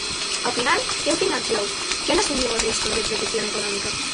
¿Ao final quen financiou, quen asumiu os riscos de protección económica?